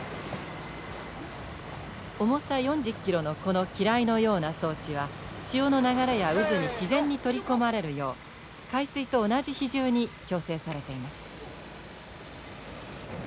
重さ４０ｋｇのこの機雷のような装置は潮の流れや渦に自然に取り込まれるよう海水と同じ比重に調整されています。